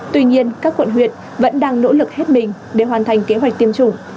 tuy nhiên các quận huyện vẫn đang nỗ lực hết mình để hoàn thành kế hoạch tiêm chủng